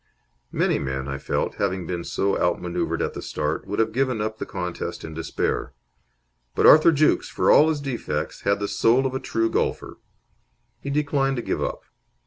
Many men, I felt, having been so outmanoeuvred at the start, would have given up the contest in despair; but Arthur Jukes, for all his defects, had the soul of a true golfer. He declined to give up.